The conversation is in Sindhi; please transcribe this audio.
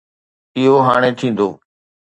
اهو هاڻي ٿيندو